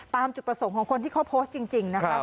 ตามจุดประสงค์ของคนที่เขาโพสต์จริงนะครับ